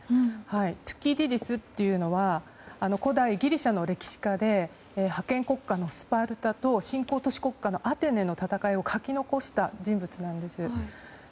トゥキディデスというのは古代ギリシャの歴史家で覇権国家のスパルタと新興都市国家のアテネとの戦いを書き残した人物なんです。